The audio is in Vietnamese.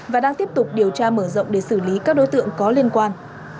và đang tiếp tục điều tra mở rộng để xử lý các đối tượng có liên quan